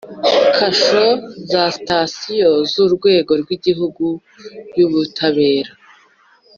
kasho za Sitasiyo z Urwego rw Igihugu y Ubutabera